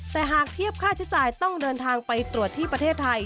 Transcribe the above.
แต่หากเทียบค่าใช้จ่ายต้องเดินทางไปตรวจที่ประเทศไทย